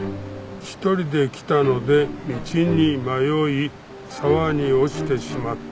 「一人で来たので道に迷い沢に落ちてしまった」